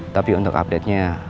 tapi untuk update nya